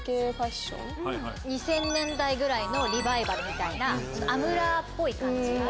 ２０００年代ぐらいのリバイバルみたいなアムラーっぽい感じ。